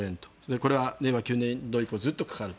これは令和９年度以降はずっとかかると。